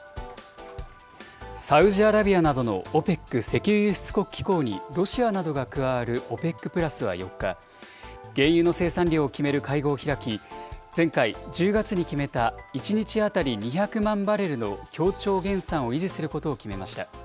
サウジアラビアなどのＯＰＥＣ・石油輸出国機構にロシアなどが加わるＯＰＥＣプラスは４日、原油の生産量を決める会合を開き、前回、１０月に決めた１日当たり２００万バレルの協調減産を維持することを決めました。